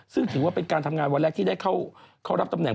ซึ่งถือว่าเป็นการทำงานวันแรกที่ได้เข้ารับตำแหน